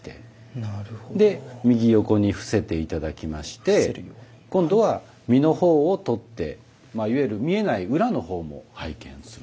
で右横に伏せて頂きまして今度は身の方を取っていわゆる見えない裏の方も拝見するということですね。